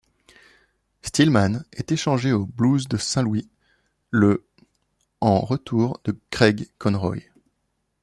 Stillman est échangé aux Blues de Saint-Louis le en retour de Craig Conroy.